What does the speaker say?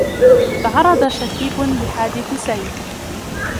.تعرض شكيب لحادث سير